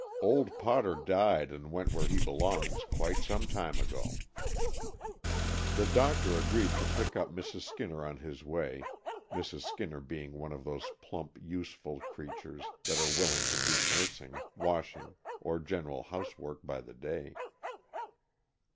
Old Potter died and went where he belongs quite some time ago." The doctor agreed to pick up Mrs. Skinner on his way, Mrs. Skinner being one of those plump, useful creatures that are willing to do nursing, washing, or general housework by the day.